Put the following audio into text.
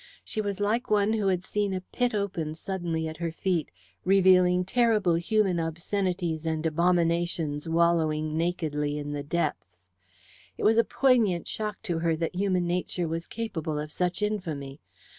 She was like one who had seen a pit open suddenly at her feet, revealing terrible human obscenities and abominations wallowing nakedly in the depths. It was a poignant shock to her that human nature was capable of such infamy.